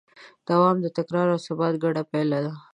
دوام د تکرار او ثبات ګډه پایله ده.